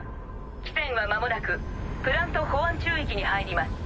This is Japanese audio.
貴船は間もなくプラント保安宙域に入ります。